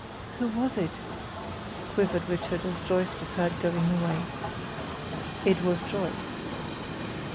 "Who was it?" quivered Richard, as Joyce was heard going away. "It was Joyce."